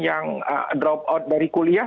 yang drop out dari kuliah